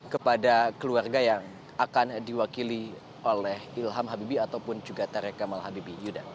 kepada keluarga yang akan diwakili oleh ilham habibie ataupun juga tarek kemal habibie